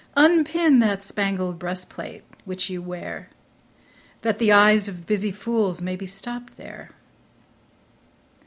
Unpin that spangled breast plate, which you wear, That th' eyes of busy fools may be stopp'd there.